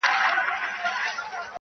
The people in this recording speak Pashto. • او سړی پوه نه سي چي نقاش څه غوښتل -